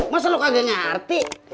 masa lu kagak nyerti